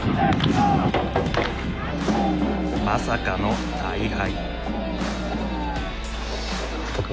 まさかの大敗。